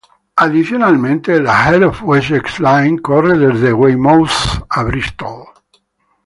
Adicionalmente, la Heart of Wessex Line corre desde Weymouth a Bristol.